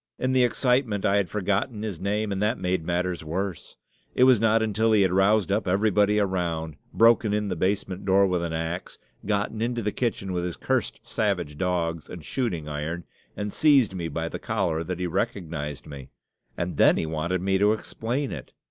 In the excitement I had forgotten his name, and that made matters worse. It was not until he had roused up everybody around, broken in the basement door with an ax, gotten into the kitchen with his cursed savage dogs and shooting iron, and seized me by the collar, that he recognized me and then he wanted me to explain it!